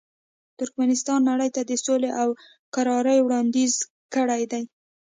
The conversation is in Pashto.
ترکمنستان نړۍ ته د سولې او کرارۍ وړاندیز کړی دی.